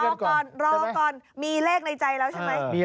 รอก่อนรอก่อนมีเลขในใจแล้วใช่ไหม